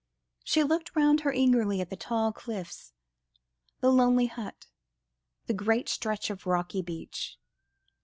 She looked round her eagerly at the tall cliffs, the lonely hut, the great stretch of rocky beach.